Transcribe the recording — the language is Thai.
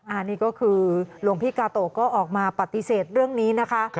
อันนี้ก็คือหลวงพี่กาโตก็ออกมาปฏิเสธเรื่องนี้นะคะ